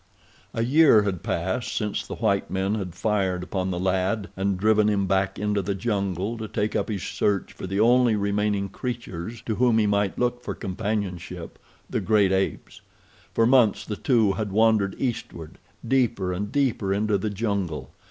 A year had passed since the white men had fired upon the lad and driven him back into the jungle to take up his search for the only remaining creatures to whom he might look for companionship—the great apes. For months the two had wandered eastward, deeper and deeper into the jungle.